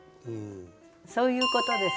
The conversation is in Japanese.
そういうことです。